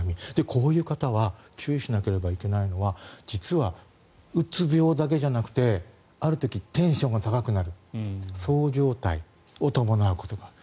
こういう方は注意しなければいけないのは実はうつ病だけじゃなくてある時テンションが高くなるそう状態を伴うことがある。